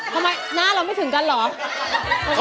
ทำไมหน้าเราไม่ถึงกันเหรอ